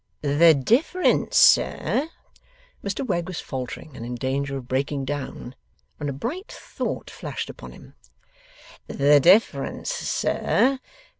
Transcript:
'The difference, sir?' Mr Wegg was faltering and in danger of breaking down, when a bright thought flashed upon him. 'The difference, sir?